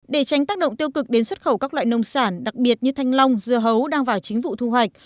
để tránh tác động tiêu cực đến xuất khẩu các loại nông sản đặc biệt như thanh long dưa hấu đang vào chính vụ thu hoạch